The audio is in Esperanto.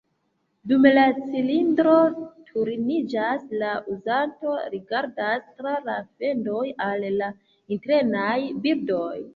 Dum la cilindro turniĝas, la uzanto rigardas tra la fendoj al la internaj bildoj.